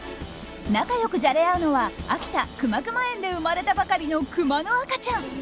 仲良くじゃれ合うのは秋田くまくま園で生まれたばかりのクマの赤ちゃん。